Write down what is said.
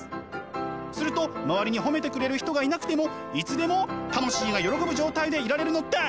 すると周りに褒めてくれる人がいなくてもいつでも魂が喜ぶ状態でいられるのです！